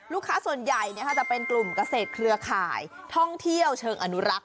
ส่วนใหญ่จะเป็นกลุ่มเกษตรเครือข่ายท่องเที่ยวเชิงอนุรักษ์